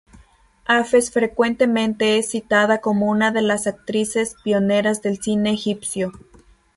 Hafez frecuentemente es citada como una de las actrices pioneras del cine egipcio.